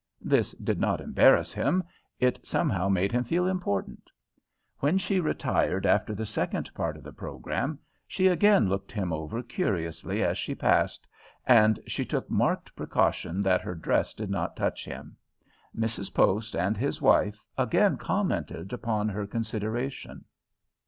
This did not embarrass him; it somehow made him feel important. When she retired after the second part of the program, she again looked him over curiously as she passed, and she took marked precaution that her dress did not touch him. Mrs. Post and his wife again commented upon her consideration.